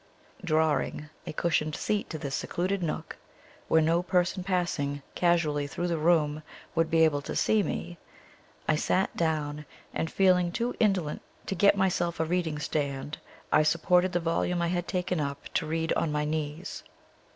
Drawing a cushioned seat to this secluded nook, where no person passing casually through the room would be able to see me, I sat down, and feeling too indolent to get myself a reading stand, I supported the volume I had taken up to read on my knees.